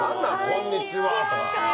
「こんにちは」って。